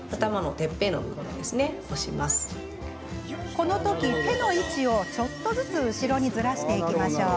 この時、手の位置をちょっとずつ後ろにずらしていきましょう。